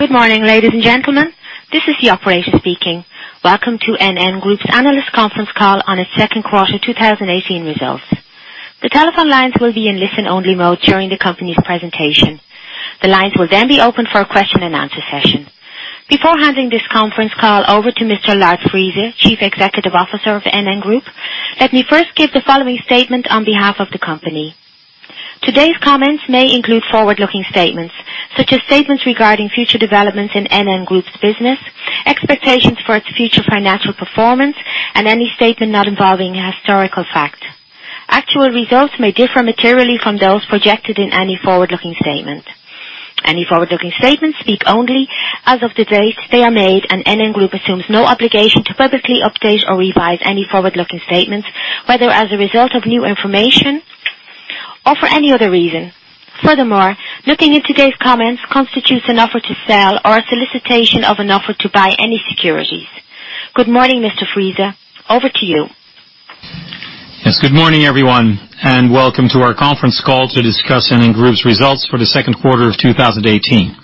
Good morning, ladies and gentlemen. This is the operator speaking. Welcome to NN Group's analyst conference call on its second quarter 2018 results. The telephone lines will be in listen-only mode during the company's presentation. The lines will then be open for a question and answer session. Before handing this conference call over to Mr. Lard Friese, Chief Executive Officer of NN Group, let me first give the following statement on behalf of the company. Today's comments may include forward-looking statements, such as statements regarding future developments in NN Group's business, expectations for its future financial performance, and any statement not involving a historical fact. Actual results may differ materially from those projected in any forward-looking statement. Any forward-looking statements speak only as of the date they are made. NN Group assumes no obligation to publicly update or revise any forward-looking statements, whether as a result of new information or for any other reason. Looking at today's comments constitutes an offer to sell or a solicitation of an offer to buy any securities. Good morning, Mr. Friese. Over to you. Good morning, everyone. Welcome to our conference call to discuss NN Group's results for the second quarter of 2018.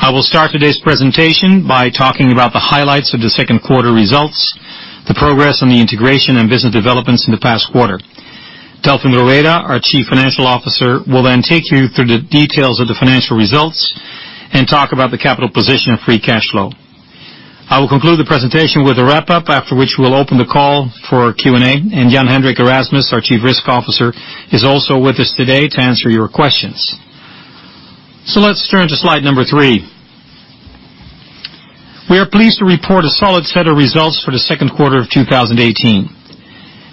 I will start today's presentation by talking about the highlights of the second quarter results, the progress on the integration, and business developments in the past quarter. Delfin Rueda, our Chief Financial Officer, will then take you through the details of the financial results and talk about the capital position of free cash flow. I will conclude the presentation with a wrap-up, after which we will open the call for Q&A. Jan-Hendrik Erasmus, our Chief Risk Officer, is also with us today to answer your questions. Let's turn to slide number three. We are pleased to report a solid set of results for the second quarter of 2018.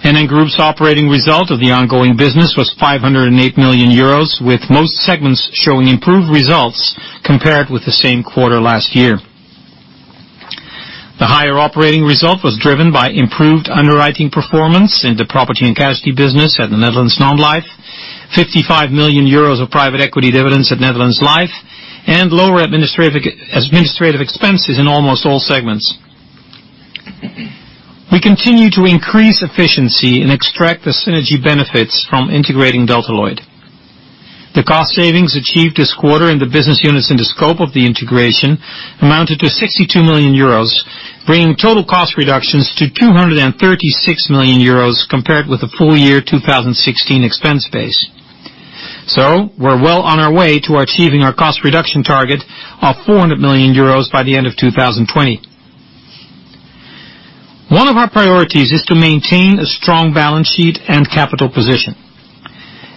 NN Group's operating result of the ongoing business was 508 million euros, with most segments showing improved results compared with the same quarter last year. The higher operating result was driven by improved underwriting performance in the property and casualty business at the Netherlands Non-life, 55 million euros of private equity dividends at Netherlands Life, and lower administrative expenses in almost all segments. We continue to increase efficiency and extract the synergy benefits from integrating Delta Lloyd. The cost savings achieved this quarter in the business units in the scope of the integration amounted to 62 million euros, bringing total cost reductions to 236 million euros compared with the full year 2016 expense base. We're well on our way to achieving our cost reduction target of 400 million euros by the end of 2020. One of our priorities is to maintain a strong balance sheet and capital position.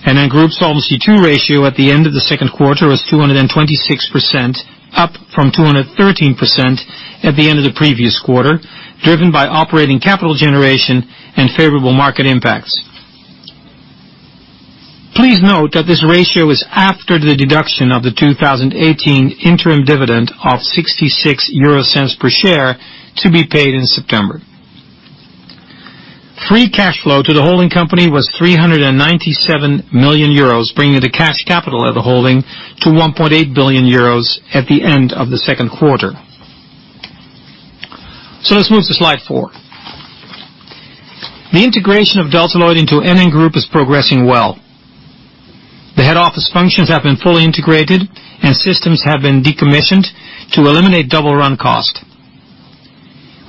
NN Group's Solvency II ratio at the end of the second quarter was 226%, up from 213% at the end of the previous quarter, driven by operating capital generation and favorable market impacts. Please note that this ratio is after the deduction of the 2018 interim dividend of 0.66 per share to be paid in September. Free cash flow to the holding company was 397 million euros, bringing the cash capital of the holding to 1.8 billion euros at the end of the second quarter. Let's move to slide four. The integration of Delta Lloyd into NN Group is progressing well. The head office functions have been fully integrated, and systems have been decommissioned to eliminate double run cost.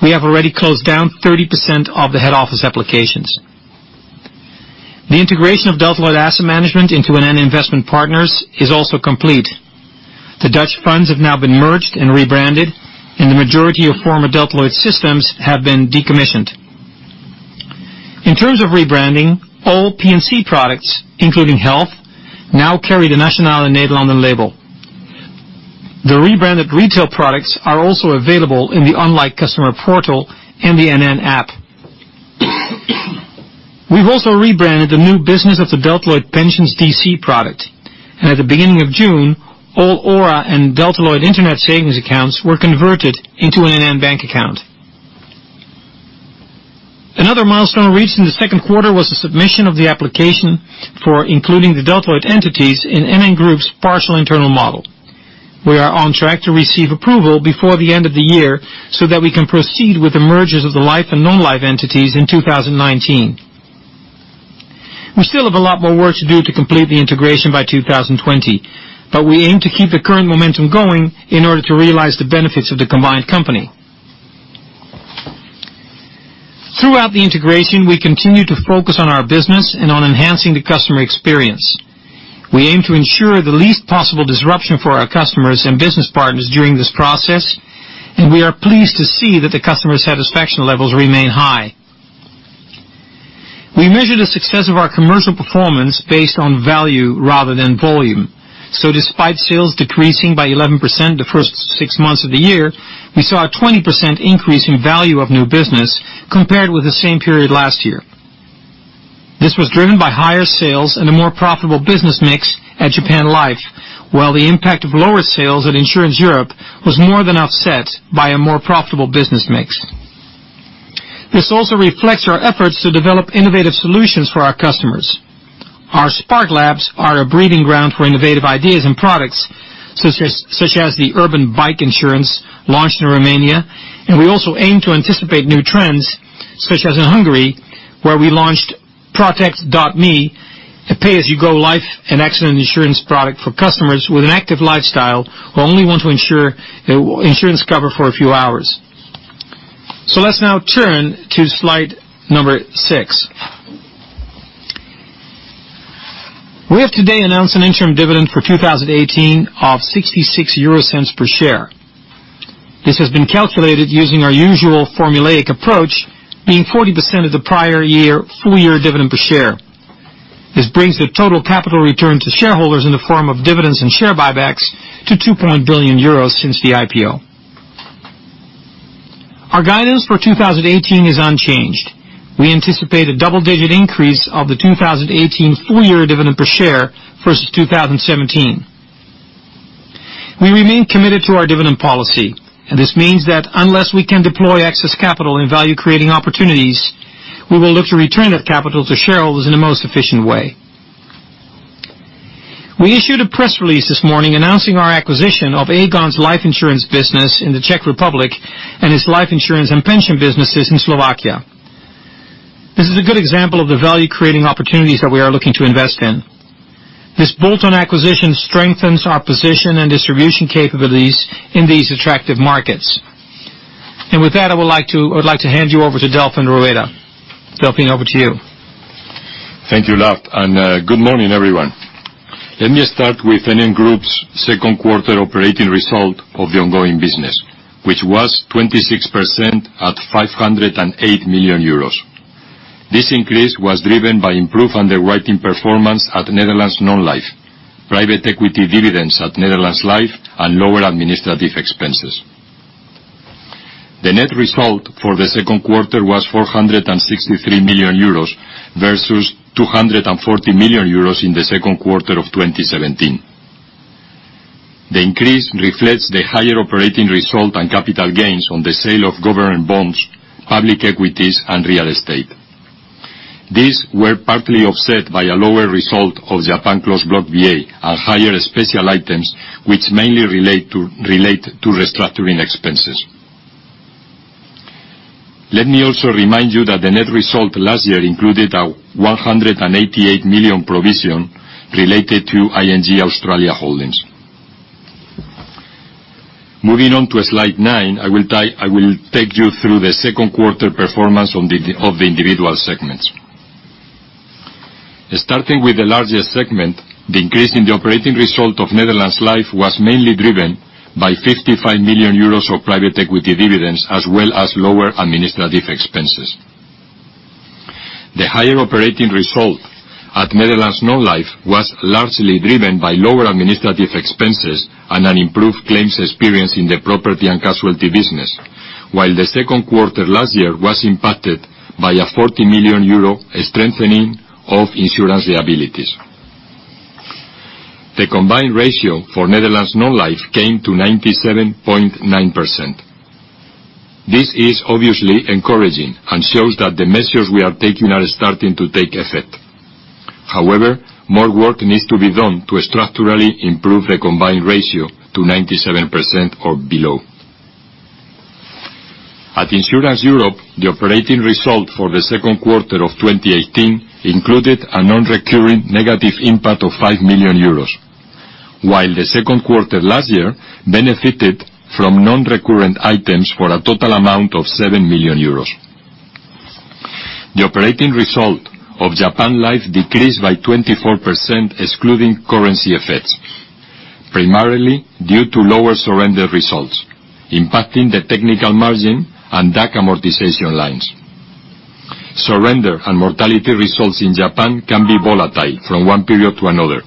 We have already closed down 30% of the head office applications. The integration of Delta Lloyd Asset Management into NN Investment Partners is also complete. The Dutch funds have now been merged and rebranded, and the majority of former Delta Lloyd systems have been decommissioned. In terms of rebranding, all P&C products, including Health, now carry the Nationale-Nederlanden label. The rebranded retail products are also available in the online customer portal and the NN app. We've also rebranded the new business of the Delta Lloyd Pensions DC product, and at the beginning of June, all OHRA and Delta Lloyd internet savings accounts were converted into an NN Bank account. Another milestone reached in the second quarter was the submission of the application for including the Delta Lloyd entities in NN Group's partial internal model. We are on track to receive approval before the end of the year so that we can proceed with the mergers of the Life and Non-Life entities in 2019. We still have a lot more work to do to complete the integration by 2020, but we aim to keep the current momentum going in order to realize the benefits of the combined company. Throughout the integration, we continue to focus on our business and on enhancing the customer experience. We aim to ensure the least possible disruption for our customers and business partners during this process, and we are pleased to see that the customer satisfaction levels remain high. We measure the success of our commercial performance based on value rather than volume. Despite sales decreasing by 11% the first six months of the year, we saw a 20% increase in value of new business compared with the same period last year. This was driven by higher sales and a more profitable business mix at Japan Life, while the impact of lower sales at Insurance Europe was more than offset by a more profitable business mix. This also reflects our efforts to develop innovative solutions for our customers. Our SparkLabs are a breeding ground for innovative ideas and products, such as the urban bike insurance launched in Romania, and we also aim to anticipate new trends, such as in Hungary, where we launched Protect.me, a pay-as-you-go life and accident insurance product for customers with an active lifestyle who only want insurance cover for a few hours. Let's now turn to slide number six. We have today announced an interim dividend for 2018 of 0.66 per share. This has been calculated using our usual formulaic approach, being 40% of the prior year full-year dividend per share. This brings the total capital return to shareholders in the form of dividends and share buybacks to 2.1 billion euros since the IPO. Our guidance for 2018 is unchanged. We anticipate a double-digit increase of the 2018 full-year dividend per share versus 2017. We remain committed to our dividend policy, and this means that unless we can deploy excess capital in value-creating opportunities, we will look to return that capital to shareholders in the most efficient way. We issued a press release this morning announcing our acquisition of Aegon's life insurance business in the Czech Republic and its life insurance and pension businesses in Slovakia. This is a good example of the value-creating opportunities that we are looking to invest in. This bolt-on acquisition strengthens our position and distribution capabilities in these attractive markets. With that, I would like to hand you over to Delfin Rueda. Delfin, over to you. Thank you, Lard, and good morning, everyone. Let me start with NN Group's second quarter operating result of the ongoing business, which was 26% at 508 million euros. This increase was driven by improved underwriting performance at Netherlands Non-life, private equity dividends at Netherlands Life, and lower administrative expenses. The net result for the second quarter was 463 million euros versus 240 million euros in the second quarter of 2017. The increase reflects the higher operating result and capital gains on the sale of government bonds, public equities, and real estate. These were partly offset by a lower result of Japan Closed Block VA and higher special items, which mainly relate to restructuring expenses. Let me also remind you that the net result last year included a 188 million provision related to ING Australia Holdings. Moving on to slide nine, I will take you through the second quarter performance of the individual segments. Starting with the largest segment, the increase in the operating result of Netherlands Life was mainly driven by 55 million euros of private equity dividends, as well as lower administrative expenses. The higher operating result at Netherlands Non-life was largely driven by lower administrative expenses and an improved claims experience in the property and casualty business. While the second quarter last year was impacted by a 40 million euro strengthening of insurance liabilities. The combined ratio for Netherlands Non-life came to 97.9%. This is obviously encouraging and shows that the measures we are taking are starting to take effect. However, more work needs to be done to structurally improve the combined ratio to 97% or below. At Insurance Europe, the operating result for the second quarter of 2018 included a non-recurring negative impact of 5 million euros. While the second quarter last year benefited from non-recurrent items for a total amount of 7 million euros. The operating result of Japan Life decreased by 24% excluding currency effects, primarily due to lower surrender results, impacting the technical margin and DAC amortization lines. Surrender and mortality results in Japan can be volatile from one period to another.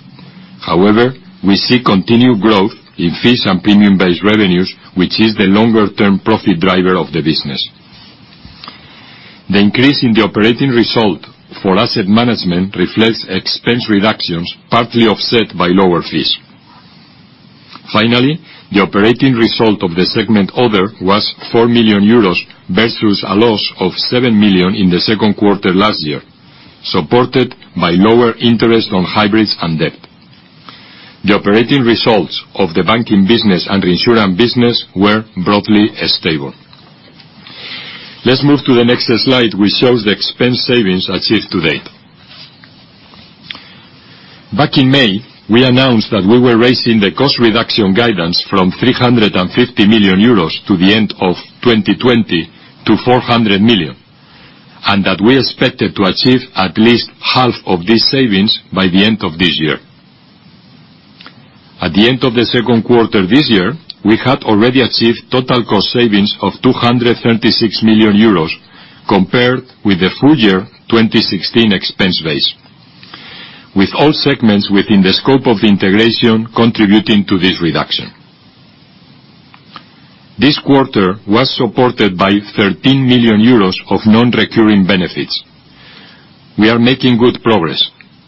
However, we see continued growth in fees and premium-based revenues, which is the longer term profit driver of the business. The increase in the operating result for asset management reflects expense reductions, partly offset by lower fees. Finally, the operating result of the segment Other was 4 million euros versus a loss of 7 million in the second quarter last year, supported by lower interest on hybrids and debt. The operating results of the banking business and reinsurance business were broadly stable. Let's move to the next slide, which shows the expense savings achieved to date. Back in May, we announced that we were raising the cost reduction guidance from 350 million euros to the end of 2020 to 400 million, and that we expected to achieve at least half of these savings by the end of this year. At the end of the second quarter this year, we had already achieved total cost savings of 236 million euros compared with the full year 2016 expense base, with all segments within the scope of integration contributing to this reduction. This quarter was supported by 13 million euros of non-recurring benefits. We are making good progress,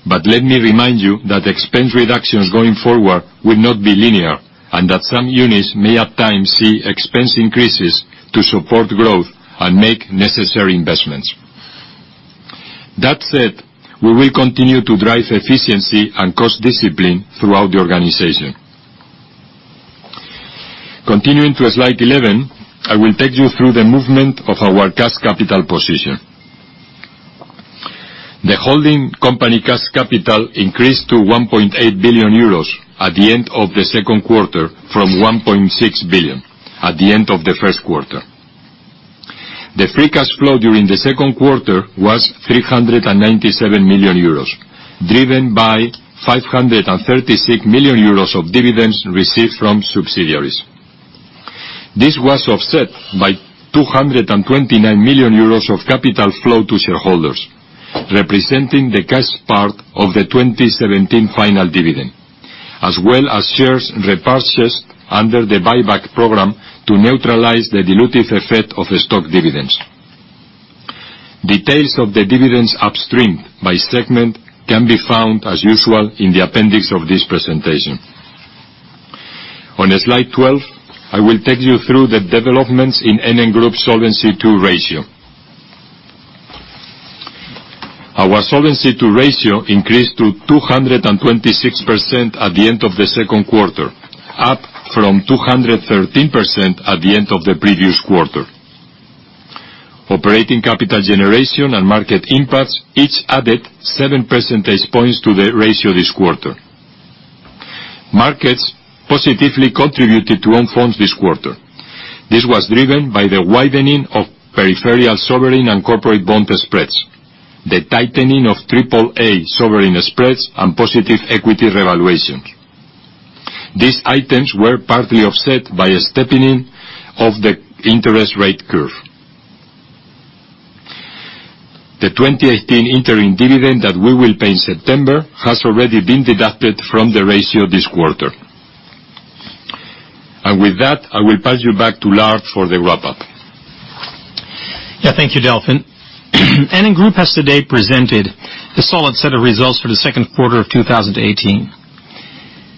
let me remind you that expense reductions going forward will not be linear and that some units may at times see expense increases to support growth and make necessary investments. That said, we will continue to drive efficiency and cost discipline throughout the organization. Continuing to Slide 11, I will take you through the movement of our cash capital position. The holding company cash capital increased to 1.8 billion euros at the end of the second quarter from 1.6 billion at the end of the first quarter. The free cash flow during the second quarter was 397 million euros, driven by 536 million euros of dividends received from subsidiaries. This was offset by 229 million euros of capital flow to shareholders, representing the cash part of the 2017 final dividend, as well as shares repurchased under the buyback program to neutralize the dilutive effect of the stock dividends. Details of the dividends upstream by segment can be found, as usual, in the appendix of this presentation. On Slide 12, I will take you through the developments in NN Group Solvency II ratio. Our Solvency II ratio increased to 226% at the end of the second quarter, up from 213% at the end of the previous quarter. Operating capital generation and market impacts each added seven percentage points to the ratio this quarter. Markets positively contributed to own funds this quarter. This was driven by the widening of peripheral sovereign and corporate bond spreads, the tightening of triple A sovereign spreads, and positive equity revaluation. These items were partly offset by a steepening of the interest rate curve. The 2018 interim dividend that we will pay in September has already been deducted from the ratio this quarter. With that, I will pass you back to Lard for the wrap-up. Thank you, Delfin. NN Group has today presented a solid set of results for the second quarter of 2018.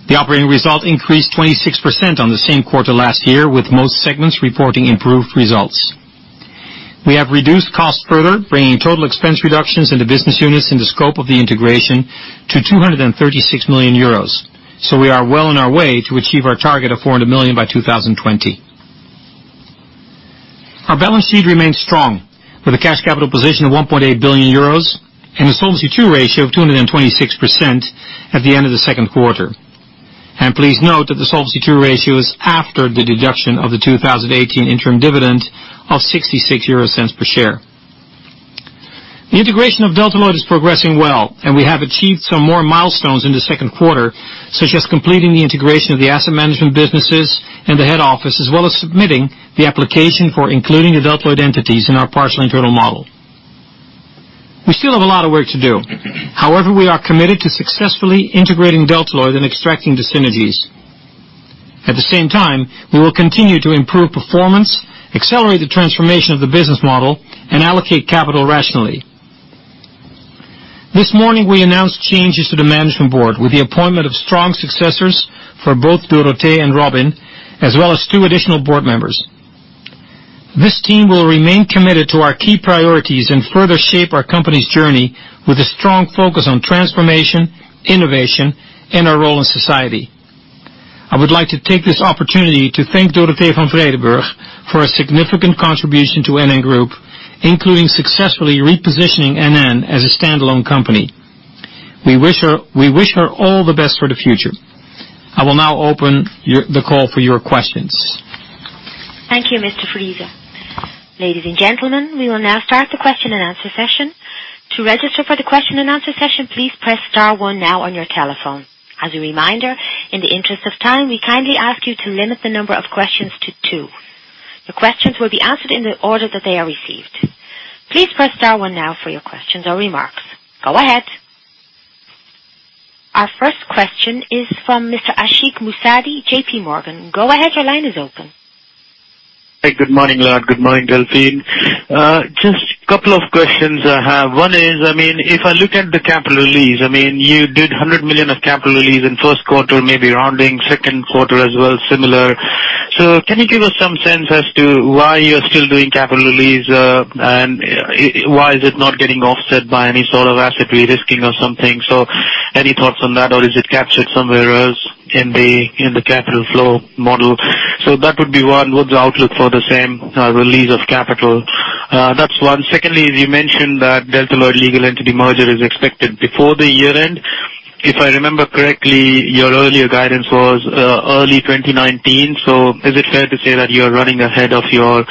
The operating result increased 26% on the same quarter last year, with most segments reporting improved results. We have reduced costs further, bringing total expense reductions in the business units in the scope of the integration to 236 million euros. We are well on our way to achieve our target of 400 million by 2020. Our balance sheet remains strong, with a cash capital position of 1.8 billion euros and a Solvency II ratio of 226% at the end of the second quarter. Please note that the Solvency II ratio is after the deduction of the 2018 interim dividend of 0.66 per share. The integration of Delta Lloyd is progressing well. We have achieved some more milestones in the second quarter, such as completing the integration of the asset management businesses and the head office, as well as submitting the application for including the Delta Lloyd entities in our partial internal model. We still have a lot of work to do. We are committed to successfully integrating Delta Lloyd and extracting the synergies. At the same time, we will continue to improve performance, accelerate the transformation of the business model, and allocate capital rationally. This morning, we announced changes to the management board with the appointment of strong successors for both Dorothee and Robin, as well as two additional board members. This team will remain committed to our key priorities and further shape our company's journey with a strong focus on transformation, innovation, and our role in society. I would like to take this opportunity to thank Dorothee van Vredenburch for her significant contribution to NN Group, including successfully repositioning NN as a standalone company. We wish her all the best for the future. I will now open the call for your questions. Thank you, Mr. Friese. Ladies and gentlemen, we will now start the question and answer session. To register for the question and answer session, please press star one now on your telephone. As a reminder, in the interest of time, we kindly ask you to limit the number of questions to two. Your questions will be answered in the order that they are received. Please press star one now for your questions or remarks. Go ahead. Our first question is from Mr. Ashik Musaddi, J.P. Morgan. Go ahead, your line is open. Hey, good morning, Lard. Good morning, Delfin. Just a couple of questions I have. One is, if I look at the capital release, you did 100 million of capital release in first quarter, maybe rounding second quarter as well, similar. Can you give us some sense as to why you are still doing capital release, and why is it not getting offset by any sort of asset risking or something? Any thoughts on that, or is it captured somewhere else in the capital flow model? That would be one. What's the outlook for the same release of capital? That's one. Secondly, you mentioned that Delta Lloyd legal entity merger is expected before the year end. If I remember correctly, your earlier guidance was early 2019. Is it fair to say that you are running ahead of your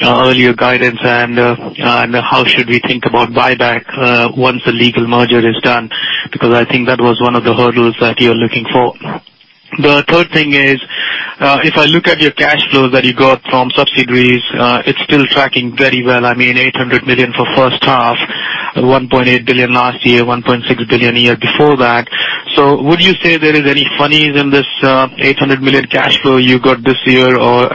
earlier guidance? How should we think about buyback once the legal merger is done? Because I think that was one of the hurdles that you're looking for. The third thing is, if I look at your cash flow that you got from subsidiaries, it's still tracking very well. 800 million for first half, 1.8 billion last year, 1.6 billion the year before that. Would you say there is any funnies in this 800 million cash flow you got this year, or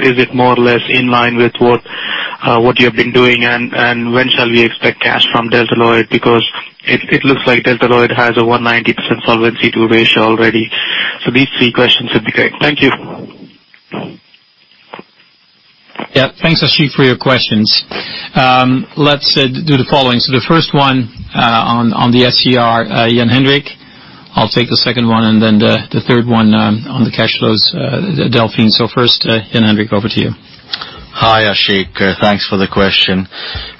is it more or less in line with what you have been doing? When shall we expect cash from Delta Lloyd? Because it looks like Delta Lloyd has a 190% Solvency II ratio already. These three questions would be great. Thank you. Thanks, Ashik, for your questions. Let's do the following. The first one on the SCR, Jan-Hendrik. I'll take the second one, then the third one on the cash flows, Delfin. First, Jan-Hendrik, over to you. Hi, Ashik. Thanks for the question.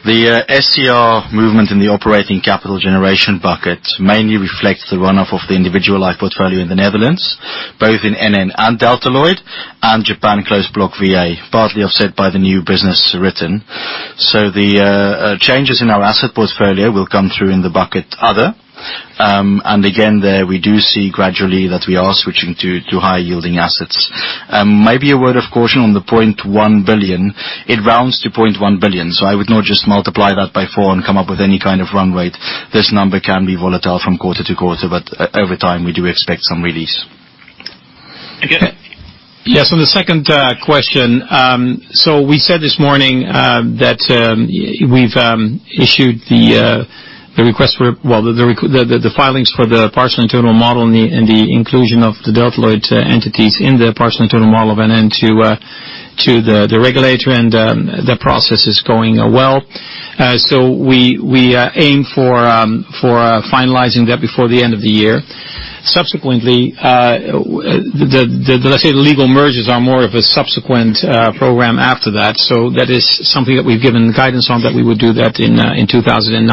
The SCR movement in the operating capital generation bucket mainly reflects the runoff of the individual life portfolio in the Netherlands, both in NN and Delta Lloyd, and Japan Closed Block VA, partly offset by the new business written. The changes in our asset portfolio will come through in the bucket other. Again, there we do see gradually that we are switching to high-yielding assets. Maybe a word of caution on the 0.1 billion. It rounds to 0.1 billion, I would not just multiply that by four and come up with any kind of run rate. This number can be volatile from quarter to quarter, but every time we do expect some release. Yes, on the second question. We said this morning that we've issued the filings for the partial internal model and the inclusion of the Delta Lloyd entities in the partial internal model of NN to the regulator, the process is going well. We aim for finalizing that before the end of the year. Subsequently, let's say the legal mergers are more of a subsequent program after that. That is something that we've given guidance on, that we would do that in 2019.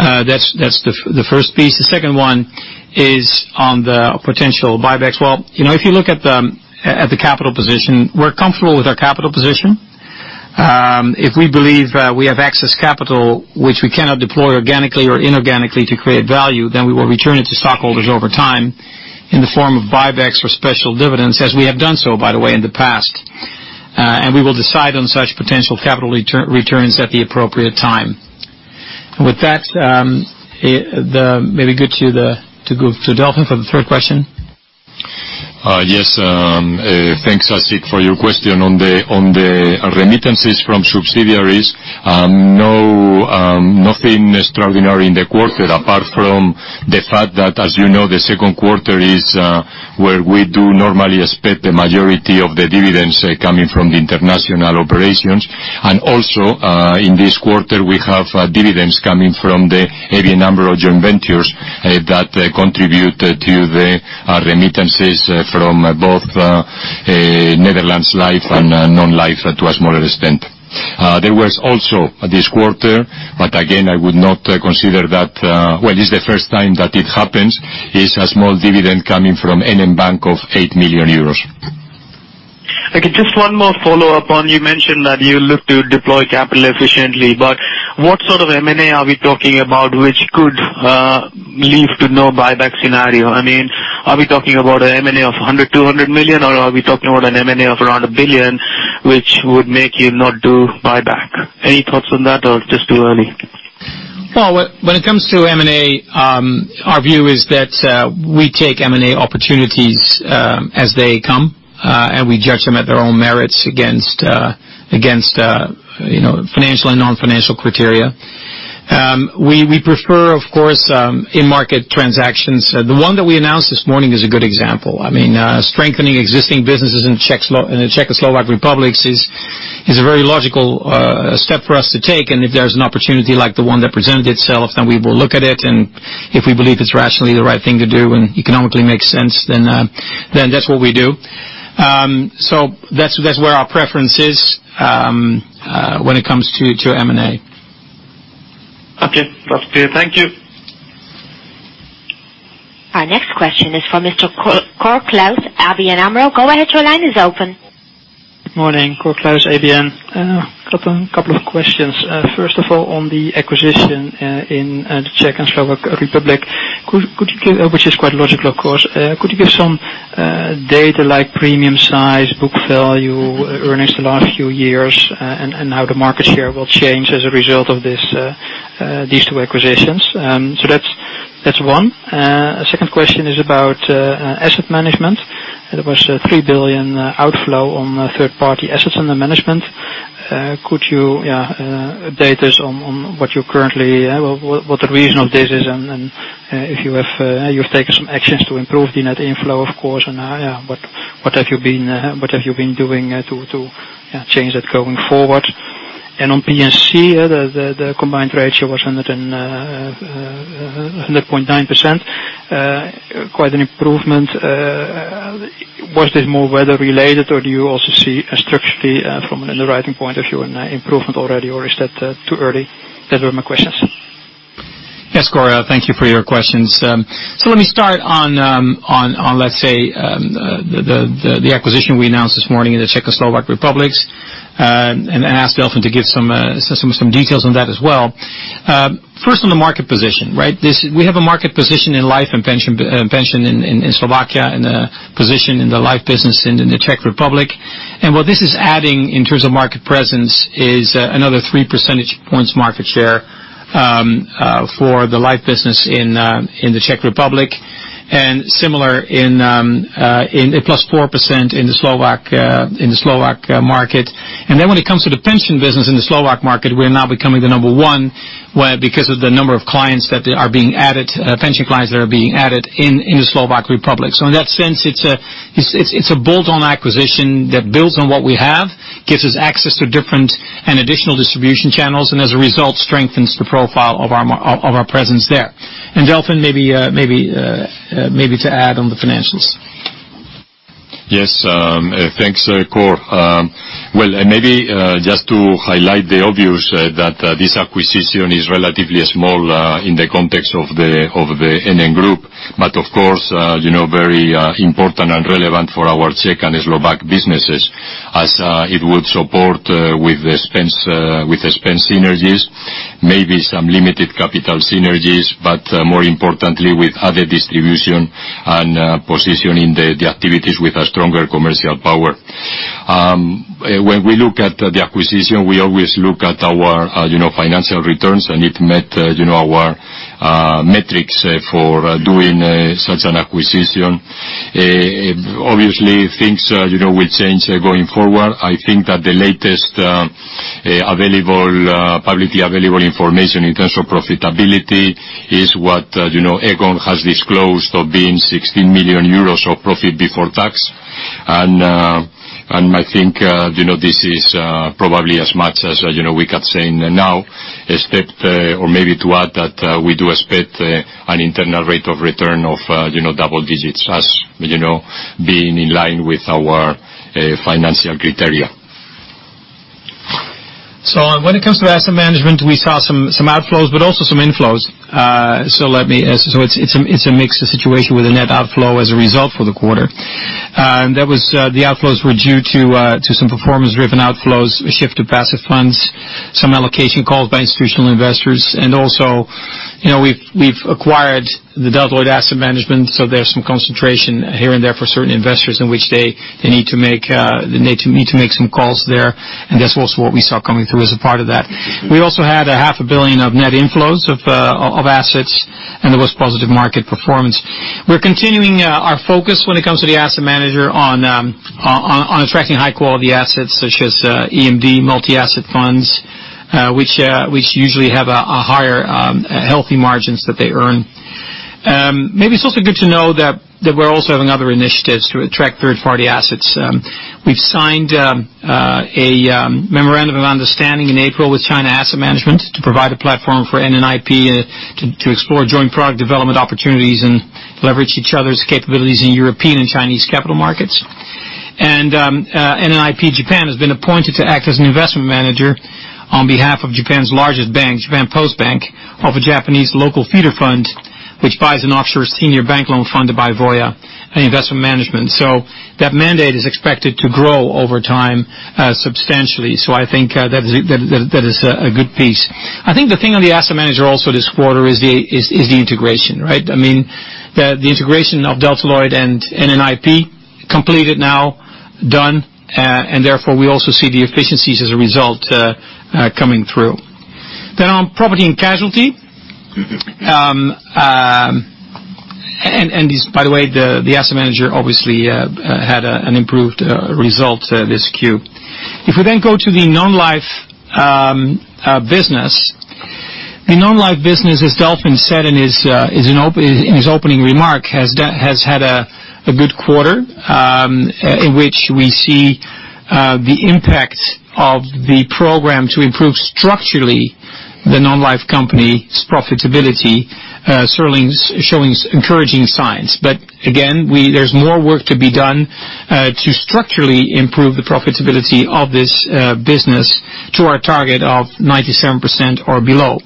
That's the first piece. The second one is on the potential buybacks. If you look at the capital position, we're comfortable with our capital position. If we believe we have excess capital, which we cannot deploy organically or inorganically to create value, then we will return it to stockholders over time in the form of buybacks or special dividends, as we have done so, by the way, in the past. We will decide on such potential capital returns at the appropriate time. With that, maybe good to go to Delfin for the third question. Yes. Thanks, Ashik, for your question. On the remittances from subsidiaries, nothing extraordinary in the quarter apart from the fact that, as you know, the second quarter is where we do normally expect the majority of the dividends coming from the international operations. Also, in this quarter, we have dividends coming from the heavy number of joint ventures that contribute to the remittances from both Netherlands Life and Netherlands Non-life to a smaller extent. There was also this quarter. Again, I would not consider that. Well, it's the first time that it happens. It's a small dividend coming from NN Bank of 8 million euros. Okay, just one more follow-up on, you mentioned that you look to deploy capital efficiently. What sort of M&A are we talking about which could lead to no buyback scenario? Are we talking about an M&A of 100 million, 200 million, or are we talking about an M&A of around 1 billion, which would make you not do buyback? Any thoughts on that, or it's just too early? Well, when it comes to M&A, our view is that we take M&A opportunities as they come. We judge them at their own merits against financial and non-financial criteria. We prefer, of course, in-market transactions. The one that we announced this morning is a good example. Strengthening existing businesses in the Czech and Slovak Republics is a very logical step for us to take. If there's an opportunity like the one that presented itself, then we will look at it, and if we believe it's rationally the right thing to do and economically makes sense, then that's what we do. That's where our preference is when it comes to M&A. Okay. That's clear. Thank you. Our next question is from Mr. Cor Klaassen, ABN AMRO. Go ahead, your line is open. Good morning. Cor Klaassen, ABN. Got a couple of questions. First of all, on the acquisition in the Czech and Slovak Republics, which is quite logical, of course. Could you give some data like premium size, book value, earnings the last few years, and how the market share will change as a result of these two acquisitions? That's one. Second question is about asset management. There was a 3 billion outflow on third-party assets under management. Could you update us on what the reason of this is, and if you've taken some actions to improve the net inflow, of course, and what have you been doing to change that going forward? On P&C, the combined ratio was 100.9%. Quite an improvement. Was this more weather related, or do you also see structurally from an underwriting point of view an improvement already, or is that too early? Those were my questions. Yes, Cor. Thank you for your questions. Let me start on the acquisition we announced this morning in the Czech and Slovak Republics, and I ask Delfin to give some details on that as well. First, on the market position. We have a market position in life and pension in Slovakia and a position in the life business in the Czech Republic. What this is adding in terms of market presence is another three percentage points market share for the life business in the Czech Republic. Similar in a +4% in the Slovak market. When it comes to the pension business in the Slovak market, we're now becoming the number 1, because of the number of pension clients that are being added in the Slovak Republic. In that sense, it's a bolt-on acquisition that builds on what we have, gives us access to different and additional distribution channels, and as a result, strengthens the profile of our presence there. Delfin, maybe to add on the financials. Yes. Thanks, Cor. Well, maybe just to highlight the obvious, that this acquisition is relatively small in the context of the NN Group. But of course, very important and relevant for our Czech and Slovak businesses as it would support with the spend synergies, maybe some limited capital synergies. More importantly, with other distribution and positioning the activities with a stronger commercial power. When we look at the acquisition, we always look at our financial returns, and it met our metrics for doing such an acquisition. Obviously, things will change going forward. I think that the latest publicly available information in terms of profitability is what Aegon has disclosed of being 16 million euros of profit before tax. I think this is probably as much as we can say now, except, or maybe to add that we do expect an internal rate of return of double digits, thus being in line with our financial criteria. When it comes to asset management, we saw some outflows, but also some inflows. It's a mixed situation with a net outflow as a result for the quarter. The outflows were due to some performance-driven outflows, a shift to passive funds, some allocation calls by institutional investors. Also, we've acquired the Delta Lloyd Asset Management, so there's some concentration here and there for certain investors in which they need to make some calls there, and that's also what we saw coming through as a part of that. We also had EUR half a billion of net inflows of assets. There was positive market performance. We're continuing our focus when it comes to the asset manager on attracting high-quality assets, such as EMD multi-asset funds, which usually have higher, healthy margins that they earn. Maybe it's also good to know that we're also having other initiatives to attract third-party assets. We've signed a memorandum of understanding in April with China Asset Management to provide a platform for NNIP to explore joint product development opportunities and leverage each other's capabilities in European and Chinese capital markets. NNIP Japan has been appointed to act as an investment manager on behalf of Japan's largest bank, Japan Post Bank, of a Japanese local feeder fund, which buys an offshore senior bank loan funded by Voya Investment Management. That mandate is expected to grow over time substantially. I think that is a good piece. I think the thing on the asset manager also this quarter is the integration, right? The integration of Delta Lloyd and NNIP, completed now, done, and therefore, we also see the efficiencies as a result coming through. On property and casualty. By the way, the asset manager obviously had an improved result this Q. If we go to the non-life business. The non-life business, as Delfin said in his opening remark, has had a good quarter, in which we see the impact of the program to improve structurally the non-life company's profitability showing encouraging signs. Again, there's more work to be done to structurally improve the profitability of this business to our target of 97% or below.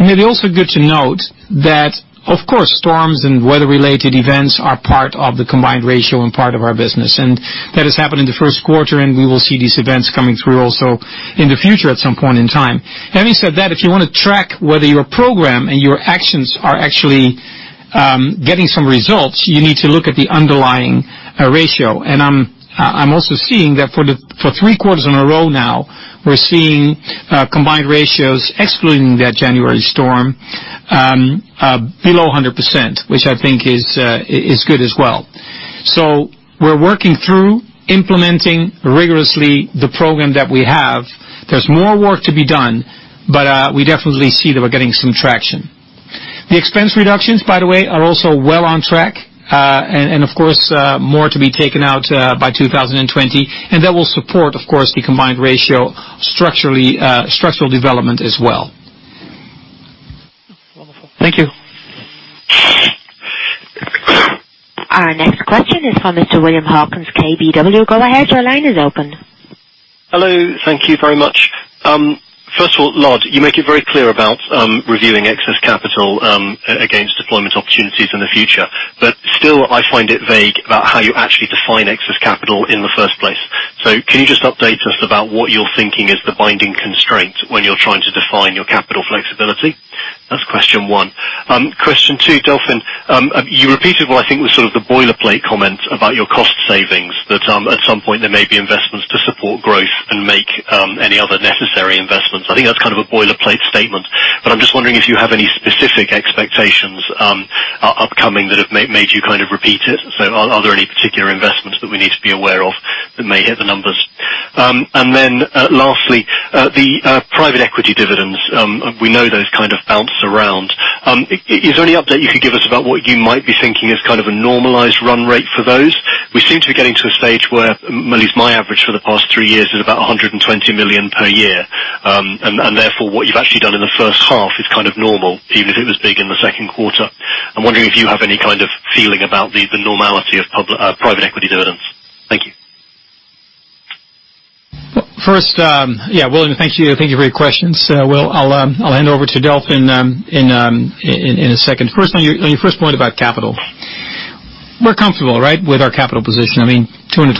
It is also good to note that, of course, storms and weather-related events are part of the combined ratio and part of our business. That has happened in the first quarter, and we will see these events coming through also in the future at some point in time. Having said that, if you want to track whether your program and your actions are actually getting some results, you need to look at the underlying ratio. I'm also seeing that for three quarters in a row now, we're seeing combined ratios, excluding that January storm, below 100%, which I think is good as well. We're working through implementing rigorously the program that we have. There's more work to be done, but we definitely see that we're getting some traction. The expense reductions, by the way, are also well on track. Of course, more to be taken out by 2020. That will support, of course, the combined ratio structural development as well. Wonderful. Thank you. Our next question is from Mr. William Hawkins, KBW. Go ahead, your line is open. Hello. Thank you very much. First of all, Lard, you make it very clear about reviewing excess capital against deployment opportunities in the future. Still, I find it vague about how you actually define excess capital in the first place. Can you just update us about what you're thinking is the binding constraint when you're trying to define your capital flexibility? That's question one. Question two, Delfin. You repeated what I think was sort of the boilerplate comment about your cost savings, that at some point there may be investments. I'm just wondering if you have any specific expectations upcoming that have made you repeat it. Are there any particular investments that we need to be aware of that may hit the numbers? Lastly, the private equity dividends. We know those bounce around. Is there any update you can give us about what you might be thinking as a normalized run rate for those? We seem to be getting to a stage where, at least my average for the past three years is about 120 million per year. Therefore, what you've actually done in the first half is normal, even if it was big in the second quarter. I'm wondering if you have any kind of feeling about the normality of private equity dividends. Thank you. First, William, thank you for your questions. I'll hand over to Delfin in a second. First, on your first point about capital. We're comfortable, right, with our capital position. I mean, 226%,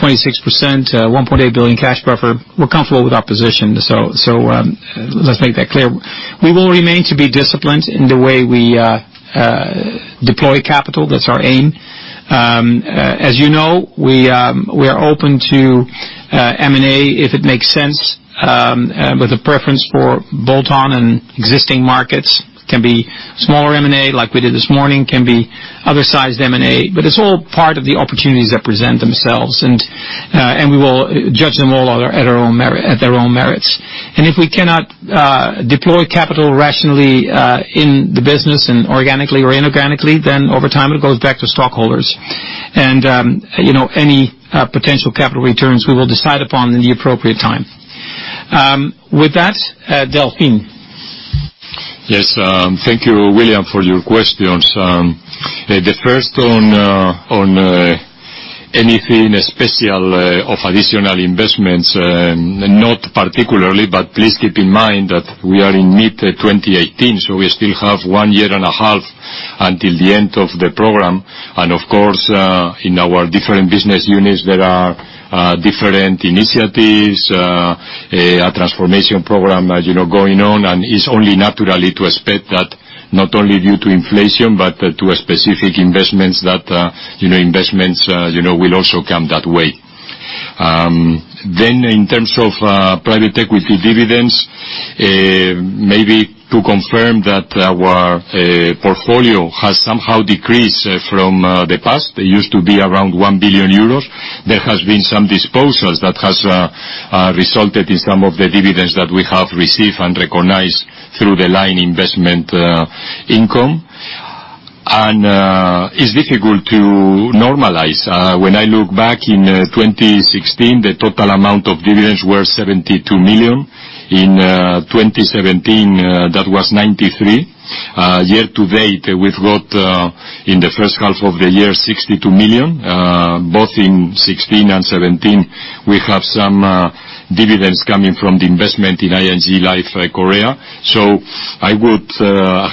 1.8 billion cash buffer. We're comfortable with our position. Let's make that clear. We will remain to be disciplined in the way we deploy capital. That's our aim. As you know, we are open to M&A if it makes sense, with a preference for bolt-on in existing markets. Can be smaller M&A, like we did this morning, can be other sized M&A, but it's all part of the opportunities that present themselves. We will judge them all at their own merits. If we cannot deploy capital rationally in the business and organically or inorganically, then over time it goes back to stockholders. Any potential capital returns, we will decide upon in the appropriate time. With that, Delfin. Yes, thank you, William, for your questions. The first on anything special of additional investments, not particularly, but please keep in mind that we are in mid 2018, so we still have one year and a half until the end of the program. Of course, in our different business units, there are different initiatives, a transformation program going on, and it's only naturally to expect that not only due to inflation, but to a specific investments that, investments will also come that way. In terms of private equity dividends, maybe to confirm that our portfolio has somehow decreased from the past. It used to be around 1 billion euros. There has been some disposals that has resulted in some of the dividends that we have received and recognized through the line investment income. It's difficult to normalize. When I look back in 2016, the total amount of dividends were 72 million. In 2017, that was 93 million. Year to date, we've got in the first half of the year, 62 million. Both in 2016 and 2017, we have some dividends coming from the investment in ING Life Korea. I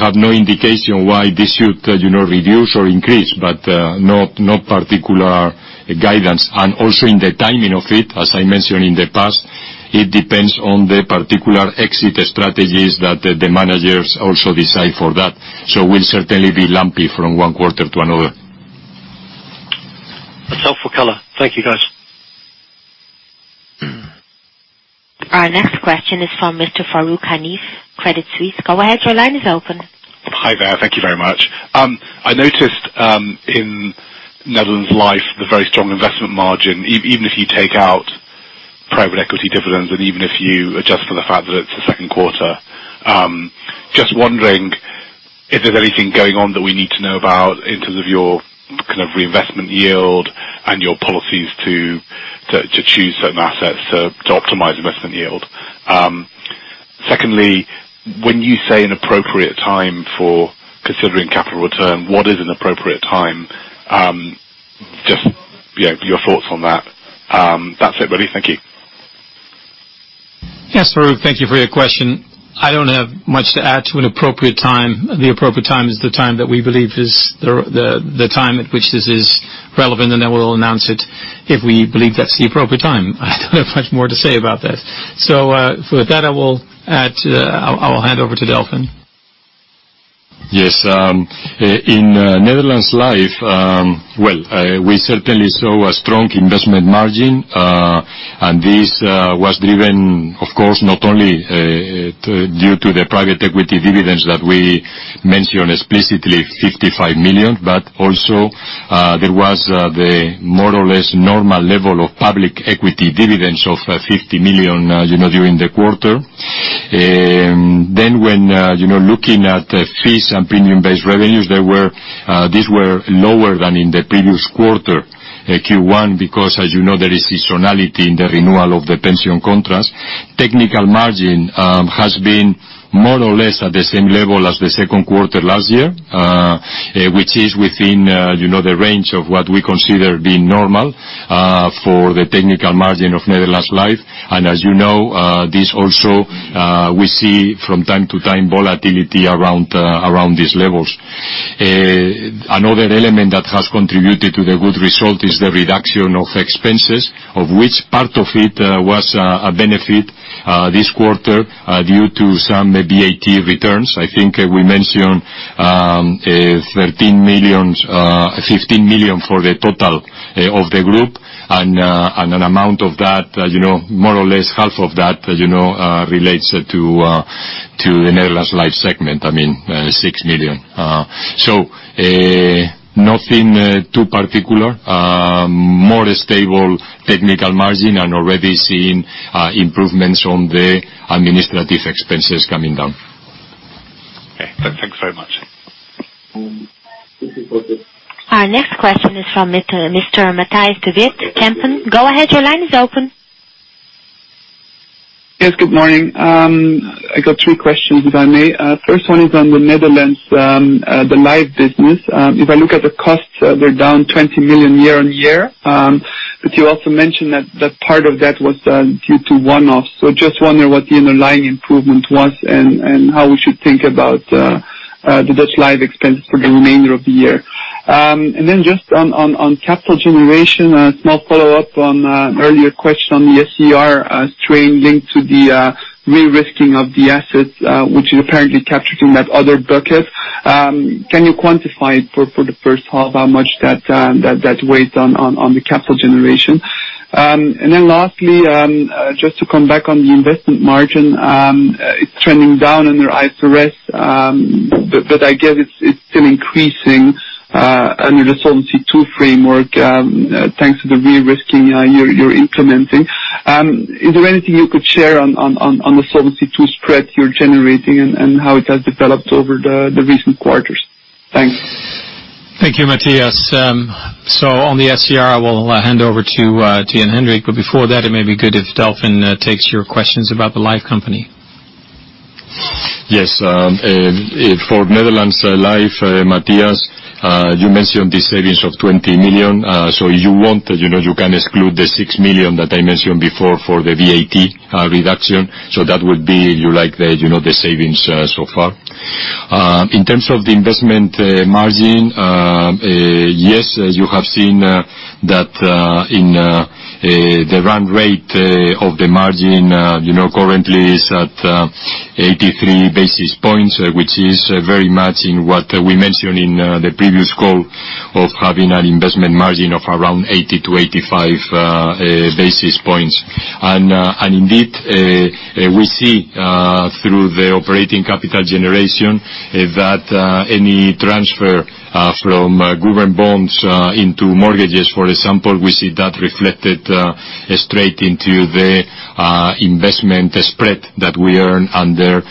have no indication why this should reduce or increase, but no particular guidance. Also in the timing of it, as I mentioned in the past, it depends on the particular exit strategies that the managers also decide for that. We'll certainly be lumpy from one quarter to another. That's helpful color. Thank you, guys. Our next question is from Mr. Farooq Hanif, Credit Suisse. Go ahead, your line is open. Hi there. Thank you very much. I noticed in Netherlands Life, the very strong investment margin, even if you take out private equity dividends and even if you adjust for the fact that it's the second quarter. Just wondering if there's anything going on that we need to know about in terms of your kind of reinvestment yield and your policies to choose certain assets to optimize investment yield. Secondly, when you say an appropriate time for considering capital return, what is an appropriate time? Just your thoughts on that. That's it, (really) Thank you. Yes, Farooq, thank you for your question. I don't have much to add to an appropriate time. The appropriate time is the time that we believe is the time at which this is relevant, and we will announce it if we believe that's the appropriate time. I don't have much more to say about that. With that, I will hand over to Delfin. Yes. In Netherlands Life, well, we certainly saw a strong investment margin. This was driven, of course, not only due to the private equity dividends that we mentioned explicitly, 55 million, but also there was the more or less normal level of public equity dividends of 50 million during the quarter. When looking at fees and premium-based revenues, these were lower than in the previous quarter, Q1, because as you know, there is seasonality in the renewal of the pension contracts. Technical margin has been more or less at the same level as the second quarter last year, which is within the range of what we consider being normal for the technical margin of Netherlands Life. As you know, this also, we see from time to time volatility around these levels. Another element that has contributed to the good result is the reduction of expenses, of which part of it was a benefit this quarter due to some VAT returns. I think we mentioned 15 million for the total of the group and an amount of that, more or less half of that, relates to the Netherlands Life segment, I mean, 6 million. Nothing too particular. More stable technical margin and already seeing improvements on the administrative expenses coming down. Okay. Thanks very much. Our next question is from Mr. Matthias de Wit, Kempen & Co. Go ahead, your line is open. Yes, good morning. I got three questions, if I may. First one is on the Netherlands Life business. If I look at the costs, they're down 20 million year-on-year. You also mentioned that part of that was due to one-off. Just wondering what the underlying improvement was and how we should think about the Netherlands Life expense for the remainder of the year. Just on capital generation, a small follow-up on an earlier question on the SCR strain linked to the re-risking of the assets, which is apparently captured in that other bucket. Can you quantify for the first half how much that weighs on the capital generation? Lastly, just to come back on the investment margin. It's trending down under IFRS, but I get it's still increasing under the Solvency II framework. Thanks to the re-risking you're implementing. Is there anything you could share on the Solvency II spread you're generating and how it has developed over the recent quarters? Thanks. Thank you, Matthias. On the SCR, I will hand over to Jan-Hendrik, before that, it may be good if Delfin takes your questions about the life company. Yes. For Netherlands Life, Matthias, you mentioned the savings of 20 million. You can exclude the 6 million that I mentioned before for the VAT reduction. That would be, you like the savings so far. In terms of the investment margin, yes, you have seen that in the run rate of the margin, currently is at 83 basis points, which is very much in what we mentioned in the previous call of having an investment margin of around 80 to 85 basis points. Indeed, we see through the operating capital generation that any transfer from government bonds into mortgages, for example, we see that reflected straight into the investment spread that we earn under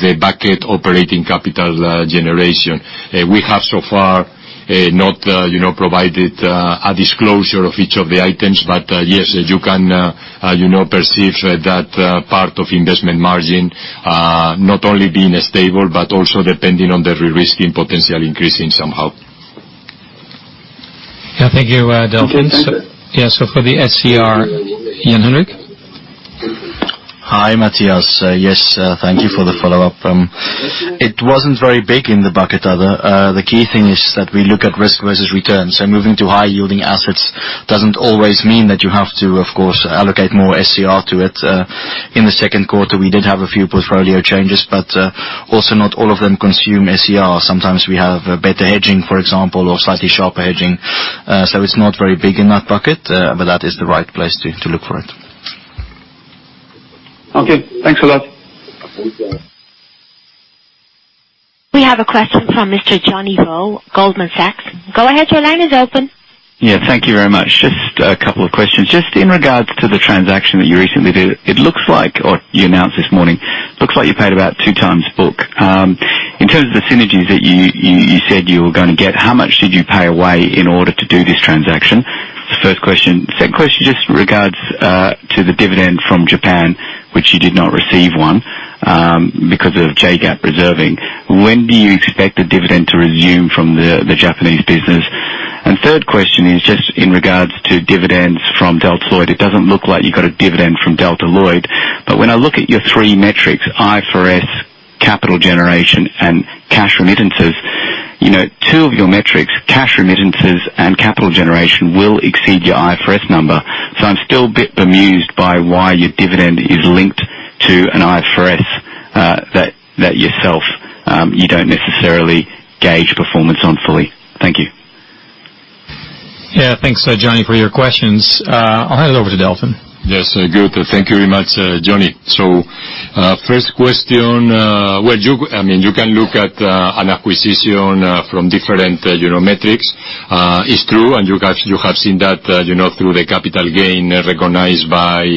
the bucket operating capital generation. We have so far not provided a disclosure of each of the items, yes, you can perceive that part of investment margin not only being stable, but also depending on the re-risking potential increasing somehow. Thank you, Delfin. For the SCR, Jan-Hendrik. Hi, Matthias. Yes, thank you for the follow-up. It wasn't very big in the bucket. The key thing is that we look at risk versus return. Moving to high yielding assets doesn't always mean that you have to, of course, allocate more SCR to it. In the second quarter, we did have a few portfolio changes, but also not all of them consume SCR. Sometimes we have better hedging, for example, or slightly sharper hedging. It's not very big in that bucket, but that is the right place to look for it. Okay, thanks a lot. We have a question from Mr. Johnny Vo, Goldman Sachs. Go ahead, your line is open. Thank you very much. Just a couple of questions. Just in regards to the transaction that you recently did, it looks like, or you announced this morning, looks like you paid about two times book. In terms of the synergies that you said you were going to get, how much did you pay away in order to do this transaction? First question. Second question, just regards to the dividend from Japan, which you did not receive one, because of JGAAP reserving. When do you expect the dividend to resume from the Japanese business? Third question is just in regards to dividends from Delta Lloyd. It doesn't look like you got a dividend from Delta Lloyd. But when I look at your three metrics, IFRS, capital generation, and cash remittances, two of your metrics, cash remittances and capital generation, will exceed your IFRS number. I'm still a bit bemused by why your dividend is linked to an IFRS that yourself, you don't necessarily gauge performance on fully. Thank you. Thanks, Johnny, for your questions. I'll hand it over to Delfin. Thank you very much, Johnny. First question. You can look at an acquisition from different metrics. It's true, and you have seen that through the capital gain recognized by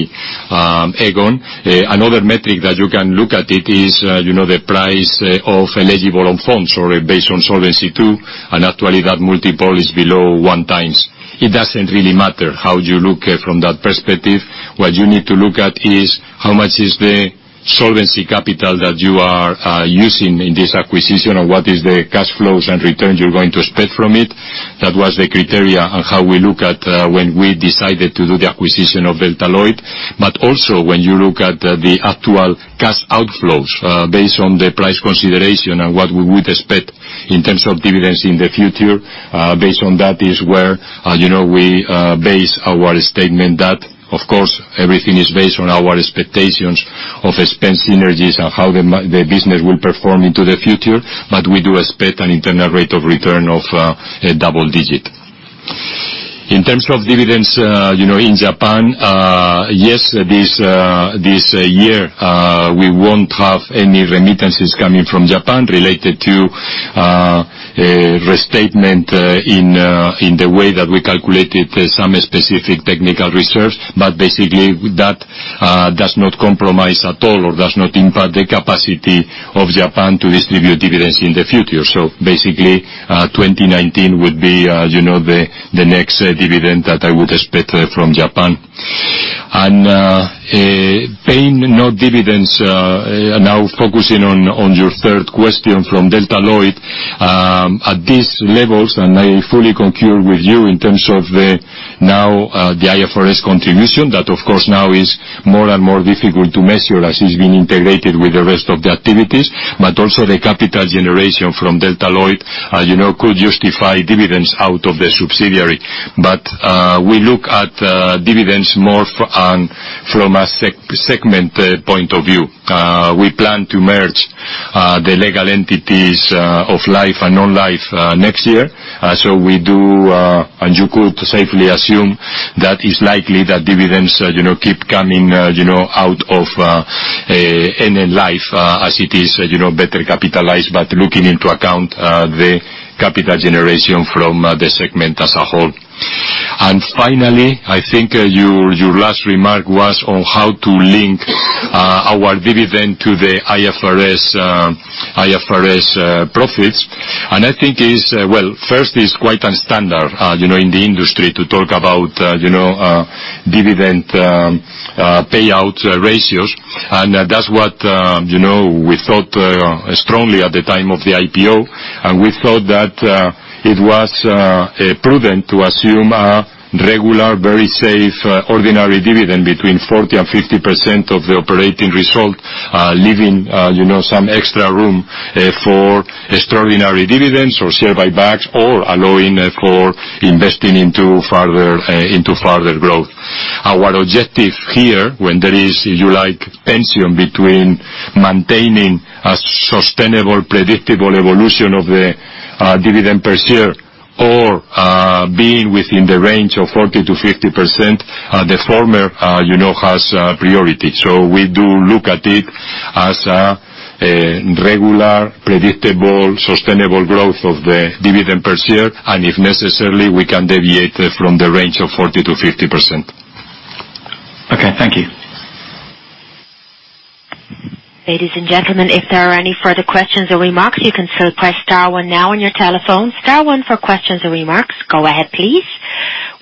Aegon. Another metric that you can look at it is the price of eligible own funds or based on Solvency II, and actually that multiple is below one times. It doesn't really matter how you look from that perspective. What you need to look at is how much is the solvency capital that you are using in this acquisition, or what is the cash flows and returns you're going to expect from it. That was the criteria on how we look at when we decided to do the acquisition of Delta Lloyd. Also when you look at the actual cash outflows, based on the price consideration and what we would expect in terms of dividends in the future, based on that is where we base our statement that, of course, everything is based on our expectations of expense synergies and how the business will perform into the future. We do expect an internal rate of return of double digit. In terms of dividends, in Japan, yes, this year, we won't have any remittances coming from Japan related to restatement in the way that we calculated some specific technical reserves. Basically, that does not compromise at all or does not impact the capacity of Japan to distribute dividends in the future. Basically, 2019 would be the next dividend that I would expect from Japan. Paying no dividends, now focusing on your third question from Delta Lloyd, at these levels, I fully concur with you in terms of the IFRS contribution, that of course now is more and more difficult to measure as it's being integrated with the rest of the activities, but also the capital generation from Delta Lloyd could justify dividends out of the subsidiary. We look at dividends more from a segment point of view. We plan to merge the legal entities of life and non-life next year. You could safely assume that it's likely that dividends keep coming out of NN Life as it is better capitalized, but looking into account the capital generation from the segment as a whole. Finally, I think your last remark was on how to link our dividend to the IFRS profits. I think, well, first, it's quite unstandard in the industry to talk about dividend payout ratios. That's what we thought strongly at the time of the IPO. We thought that it was prudent to assume a regular, very safe ordinary dividend between 40%-50% of the operating result, leaving some extra room for extraordinary dividends or share buybacks or allowing for investing into further growth. Our objective here, when there is, you like, tension between maintaining a sustainable, predictable evolution of the dividend per share or being within the range of 40%-50%, the former has priority. We do look at it as a regular, predictable, sustainable growth of the dividend per share, and if necessary, we can deviate from the range of 40%-50%. Okay, thank you. Ladies and gentlemen, if there are any further questions or remarks, you can press star one now on your telephone. Star one for questions or remarks. Go ahead, please.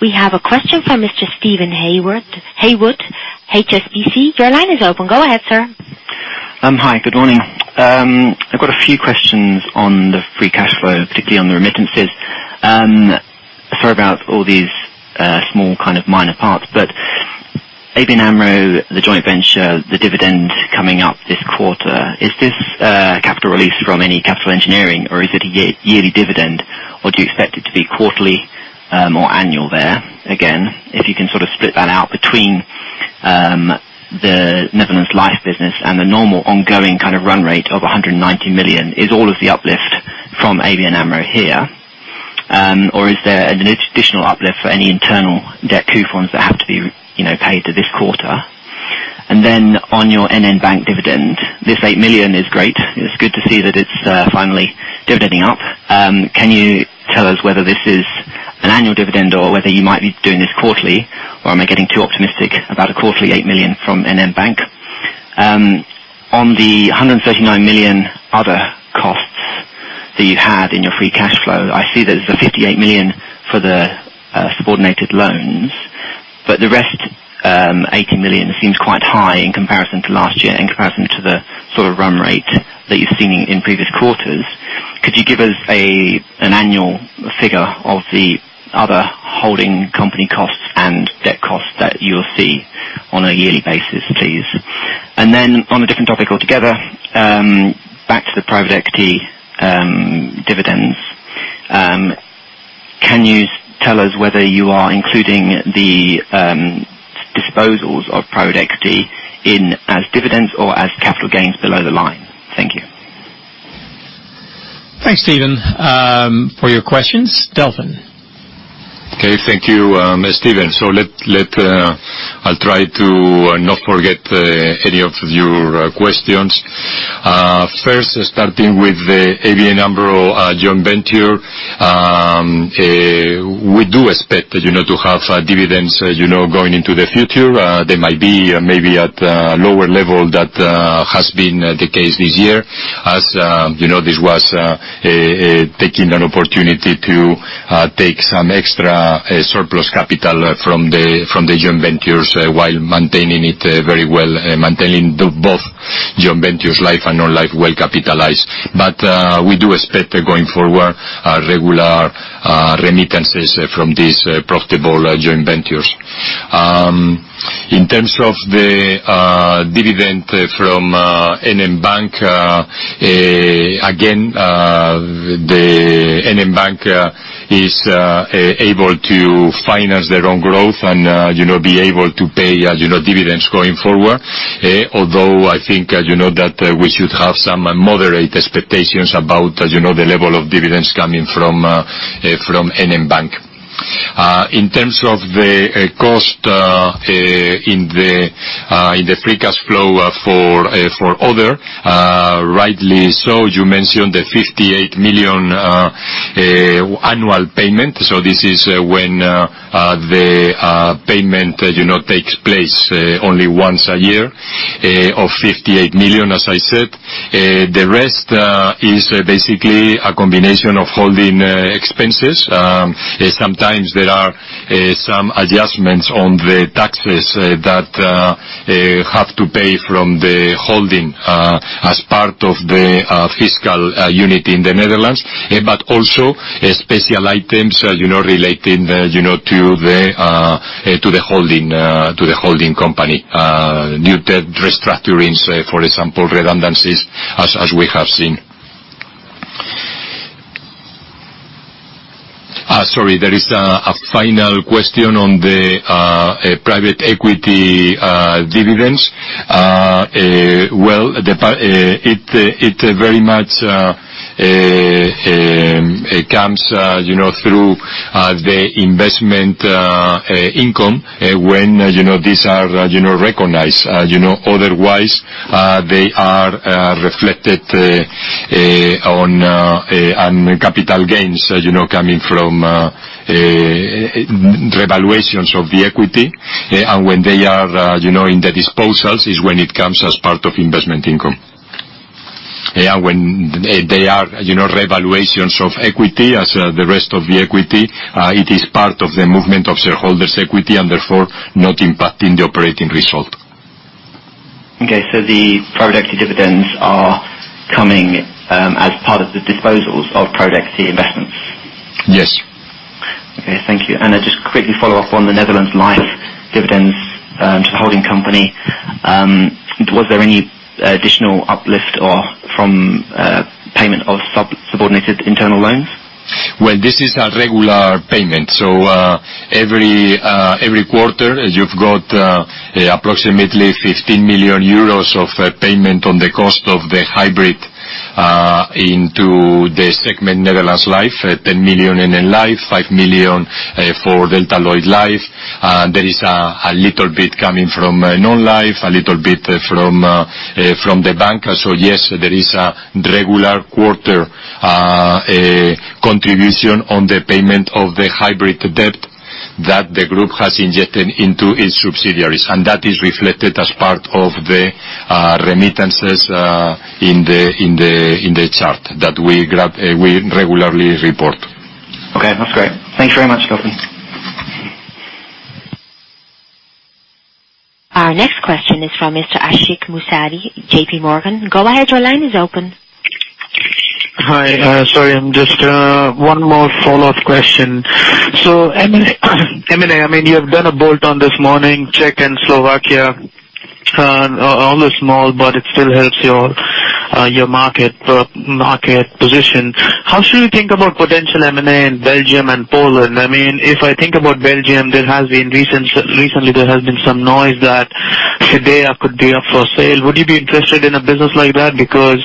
We have a question from Mr. Steven Haywood, HSBC. Your line is open. Go ahead, sir. Hi, good morning. I've got a few questions on the free cash flow, particularly on the remittances. Sorry about all these small kind of minor parts. ABN AMRO, the joint venture, the dividend coming up this quarter, is this capital release from any capital engineering or is it a yearly dividend? Do you expect it to be quarterly or annual there? Again, if you can sort of split that out between the Netherlands Life business and the normal ongoing kind of run rate of 190 million. Is all of the uplift from ABN AMRO here? Is there an additional uplift for any internal debt coupons that have to be paid to this quarter? On your NN Bank dividend, this 8 million is great. It's good to see that it's finally dividending up. Can you tell us whether this is an annual dividend or whether you might be doing this quarterly, or am I getting too optimistic about a quarterly 8 million from NN Bank? On the 139 million other costs that you had in your free cash flow, I see that there's a 58 million for the subordinated loans, but the rest, 18 million seems quite high in comparison to last year, in comparison to the sort of run rate that you've seen in previous quarters. Could you give us an annual figure of the other holding company costs and debt costs that you'll see on a yearly basis, please? On a different topic altogether, back to the private equity dividends. Can you tell us whether you are including the disposals of private equity in as dividends or as capital gains below the line? Thank you. Thanks, Steven, for your questions. Delfin. Okay. Thank you, Steven. I'll try to not forget any of your questions. First, starting with the ABN AMRO joint venture. We do expect to have dividends going into the future. They might be maybe at a lower level that has been the case this year. As you know, this was taking an opportunity to take some extra surplus capital from the joint ventures while maintaining it very well, maintaining both joint ventures, life and non-life, well capitalized. We do expect going forward, regular remittances from these profitable joint ventures. In terms of the dividend from NN Bank, again, NN Bank is able to finance their own growth and be able to pay dividends going forward. I think that we should have some moderate expectations about the level of dividends coming from NN Bank. In terms of the cost in the free cash flow for other, rightly so, you mentioned the 58 million annual payment. This is when the payment takes place only once a year of 58 million, as I said. The rest is basically a combination of holding expenses. Sometimes there are some adjustments on the taxes that have to pay from the holding as part of the fiscal unit in the Netherlands, but also special items relating to the holding company. New debt restructurings, for example, redundancies, as we have seen. Sorry, there is a final question on the private equity dividends. Well, it very much comes through the investment income when these are recognized. Otherwise, they are reflected on capital gains coming from revaluations of the equity. When they are in the disposals is when it comes as part of investment income. When they are revaluations of equity, as the rest of the equity, it is part of the movement of shareholders' equity and therefore not impacting the operating result. Okay. The private equity dividends are coming as part of the disposals of private equity investments? Yes. Okay. Thank you. Just quickly follow up on the Netherlands Life dividends to the holding company. Was there any additional uplift or from payment of subordinated internal loans? This is a regular payment. Every quarter, you've got approximately 15 million euros of payment on the cost of the hybrid into the segment Netherlands Life, 10 million in Life, 5 million for Delta Lloyd Life. There is a little bit coming from non-life, a little bit from the bank. Yes, there is a regular quarter contribution on the payment of the hybrid debt that the group has injected into its subsidiaries. That is reflected as part of the remittances in the chart that we regularly report. Okay, that's great. Thanks very much, Delfin. Our next question is from Mr. Ashik Musaddi, JPMorgan. Go ahead, your line is open. Hi. Sorry, just one more follow-up question. M&A, you have done a bolt on this morning, Czech and Slovakia, although small, but it still helps your market position. How should we think about potential M&A in Belgium and Poland? If I think about Belgium, recently there has been some noise that Fidea could be up for sale. Would you be interested in a business like that? Because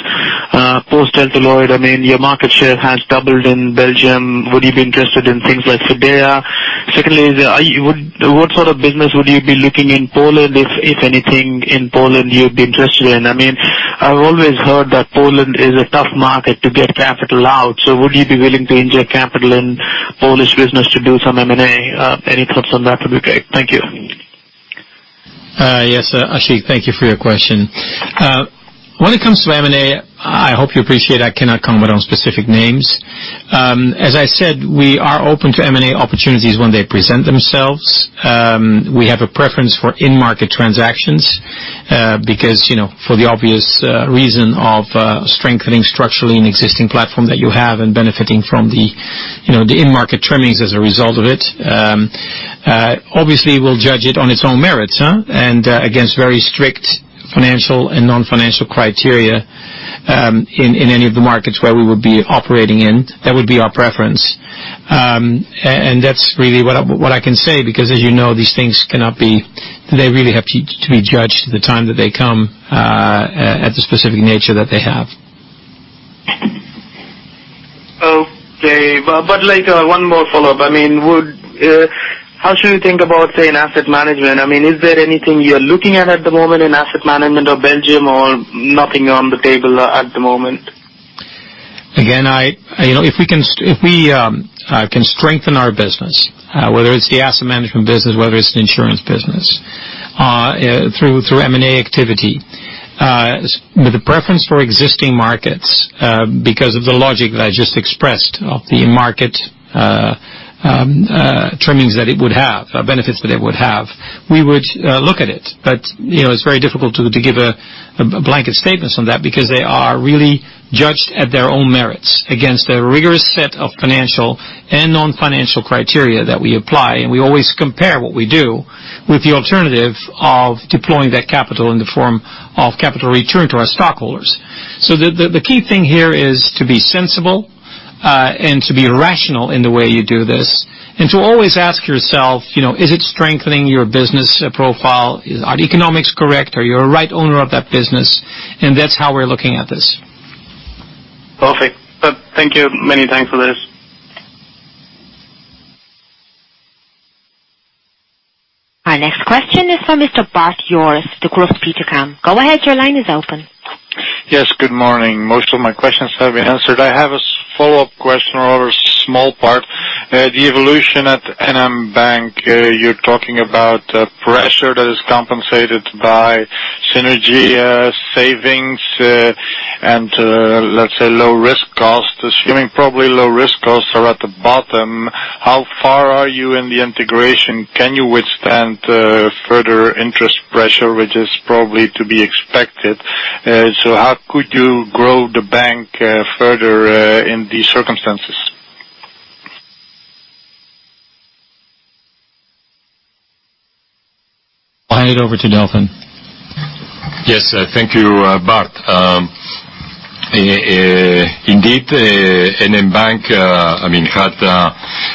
post Delta Lloyd, your market share has doubled in Belgium. Would you be interested in things like Fidea? Secondly, what sort of business would you be looking in Poland, if anything in Poland you'd be interested in? I've always heard that Poland is a tough market to get capital out, would you be willing to inject capital in Polish business to do some M&A? Any thoughts on that would be great. Thank you. Yes, Ashik Musaddi, thank you for your question. When it comes to M&A, I hope you appreciate I cannot comment on specific names. As I said, we are open to M&A opportunities when they present themselves. We have a preference for in-market transactions because for the obvious reason of strengthening structurally an existing platform that you have and benefiting from the in-market trimmings as a result of it. Obviously, we'll judge it on its own merits and against very strict financial and non-financial criteria, in any of the markets where we would be operating in. That would be our preference. That's really what I can say because as you know, these things really have to be judged at the time that they come, at the specific nature that they have. Okay. Like one more follow-up. How should we think about, say, in asset management? Is there anything you're looking at at the moment in asset management of Belgium or nothing on the table at the moment? Again, if we can strengthen our business, whether it's the asset management business, whether it's the insurance business, through M&A activity, with a preference for existing markets, because of the logic that I just expressed of the market trimmings that it would have, benefits that it would have, we would look at it. It's very difficult to give blanket statements on that because they are really judged at their own merits against a rigorous set of financial and non-financial criteria that we apply. We always compare what we do with the alternative of deploying that capital in the form of capital return to our stockholders. The key thing here is to be sensible, and to be rational in the way you do this, and to always ask yourself, is it strengthening your business profile? Are the economics correct? Are you a right owner of that business? That's how we're looking at this. Perfect. Thank you. Many thanks for this. Our next question is from Mr. Bart Joris, Degroof Petercam. Go ahead, your line is open. Yes, good morning. Most of my questions have been answered. I have a follow-up question on a small part. The evolution at NN Bank, you're talking about pressure that is compensated by synergy savings and, let's say, low risk cost, assuming probably low risk costs are at the bottom. How far are you in the integration? Can you withstand further interest pressure, which is probably to be expected? How could you grow the bank further in these circumstances? I'll hand it over to Delfin. Yes. Thank you, Bart. Indeed, NN Bank had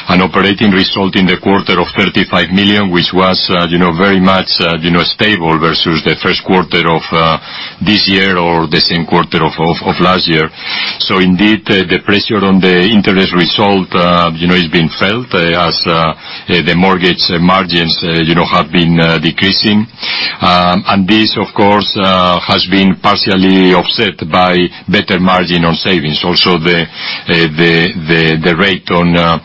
an operating result in the quarter of 35 million, which was very much stable versus the first quarter of this year or the same quarter of last year. Indeed, the pressure on the interest result is being felt as the mortgage margins have been decreasing. This, of course, has been partially offset by better margin on savings. The rate on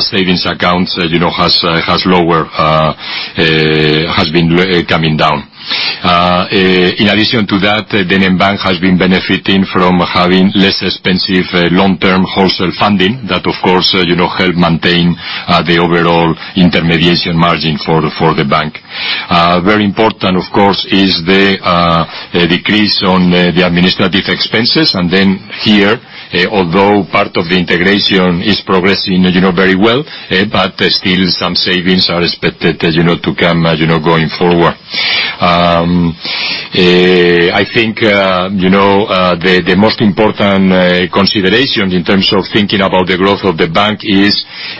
savings accounts has been coming down. In addition to that, NN Bank has been benefiting from having less expensive long-term wholesale funding. That, of course, help maintain the overall intermediation margin for the bank. Very important, of course, is the decrease on the administrative expenses. Here, although part of the integration is progressing very well, still some savings are expected to come going forward. I think the most important consideration in terms of thinking about the growth of the bank is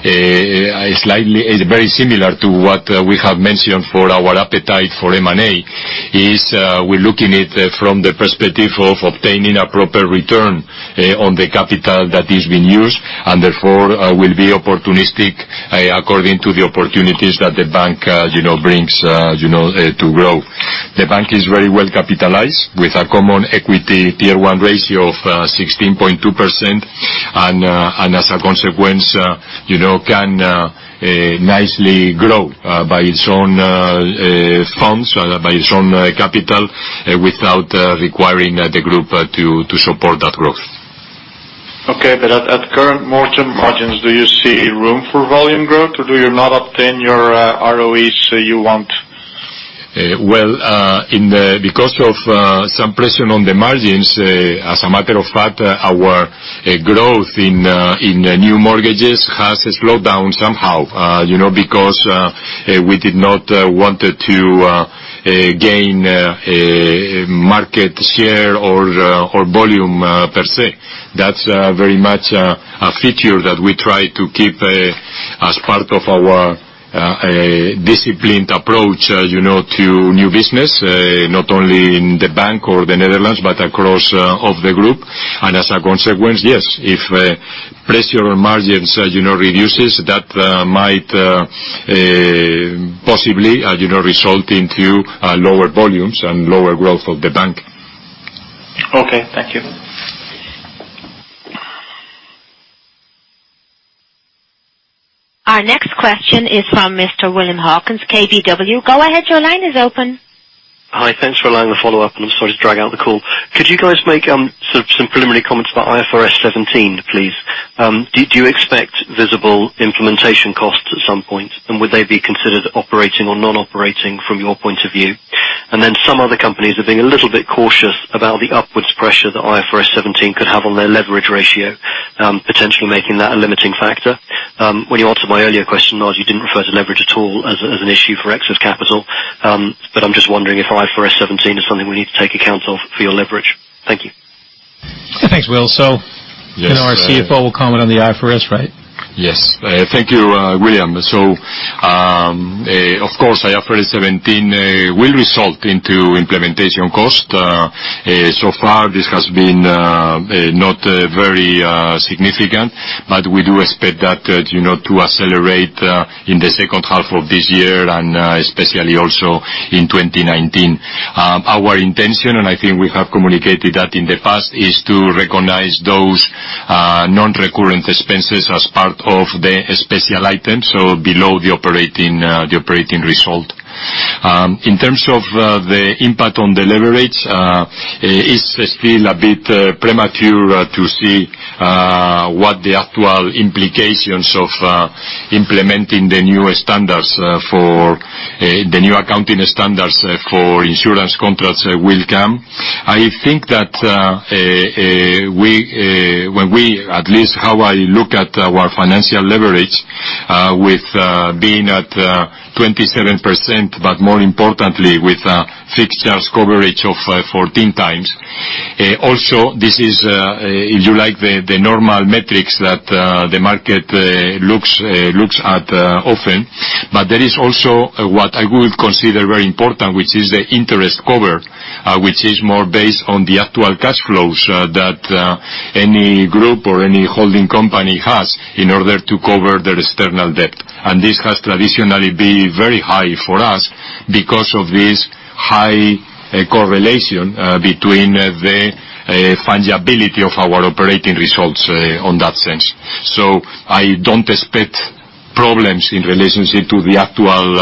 very similar to what we have mentioned for our appetite for M&A, we're looking at it from the perspective of obtaining a proper return on the capital that is being used, therefore will be opportunistic according to the opportunities that the bank brings to grow. The bank is very well capitalized with a common equity tier 1 ratio of 16.2%, as a consequence, can nicely grow by its own funds, by its own capital, without requiring the group to support that growth. Okay, at current margin margins, do you see room for volume growth, or do you not obtain your ROEs you want? Well, because of some pressure on the margins, as a matter of fact, our growth in new mortgages has slowed down somehow, because we did not want to gain market share or volume per se. That's very much a feature that we try to keep as part of our disciplined approach to new business, not only in the bank or the Netherlands, but across the group. As a consequence, yes, if pressure on margins reduces, that might possibly result into lower volumes and lower growth of the bank. Okay. Thank you. Our next question is from Mr. William Hawkins, KBW. Go ahead, your line is open. Hi. Thanks for allowing the follow-up, and I'm sorry to drag out the call. Could you guys make some preliminary comments about IFRS 17, please? Do you expect visible implementation costs at some point, and would they be considered operating or non-operating from your point of view? Some other companies are being a little bit cautious about the upwards pressure that IFRS 17 could have on their leverage ratio, potentially making that a limiting factor. When you answered my earlier question, Lard, you didn't refer to leverage at all as an issue for excess capital. I'm just wondering if IFRS 17 is something we need to take account of for your leverage. Thank you. Thanks, Will. Our CFO will comment on the IFRS, right? Yes. Thank you, William. Of course, IFRS 17 will result into implementation cost. This has been not very significant, but we do expect that to accelerate in the second half of this year and especially also in 2019. Our intention, and I think we have communicated that in the past, is to recognize those non-recurrent expenses as part of the special item, below the operating result. In terms of the impact on the leverage, it's still a bit premature to see what the actual implications of implementing the new accounting standards for insurance contracts will come. I think that when we, at least how I look at our financial leverage, with being at 27%, but more importantly, with fixed charge coverage of 14 times. This is, if you like, the normal metrics that the market looks at often. There is also what I would consider very important, which is the interest cover, which is more based on the actual cash flows that any group or any holding company has in order to cover their external debt. This has traditionally been very high for us because of this high correlation between the fundability of our operating results on that sense. I don't expect problems in relationship to the actual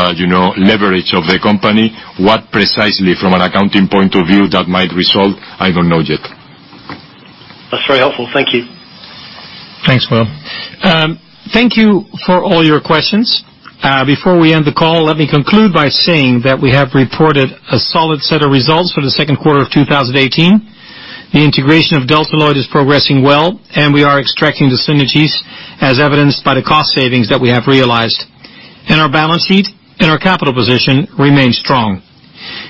leverage of the company. What precisely from an accounting point of view that might result, I don't know yet. That's very helpful. Thank you. Thanks, Will. Thank you for all your questions. Before we end the call, let me conclude by saying that we have reported a solid set of results for the second quarter of 2018. The integration of Delta Lloyd is progressing well, we are extracting the synergies, as evidenced by the cost savings that we have realized. Our balance sheet and our capital position remain strong.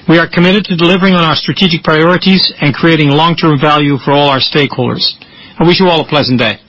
We are committed to delivering on our strategic priorities and creating long-term value for all our stakeholders. I wish you all a pleasant day.